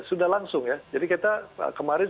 sudah langsung ya jadi kita kemarin